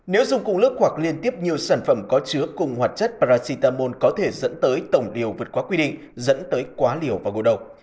nếu dùng cùng lớp hoặc liên tiếp nhiều sản phẩm có chứa cùng hoạt chất paracetamol có thể dẫn tới tổng điều vượt quá quy định dẫn tới quá liều và vô độc